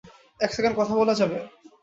এক সেকেন্ড কথা বলা যাবে?